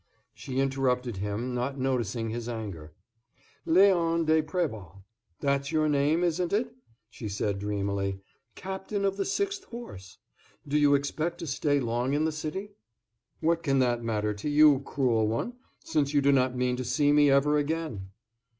She interrupted him, not noticing his anger. "Léon de Préval, that's your name, isn't it," she said dreamily, "captain of the Sixth Horse? Do you expect to stay long in the city?" "What can that matter to you, cruel one, since you do not mean to see me ever again?"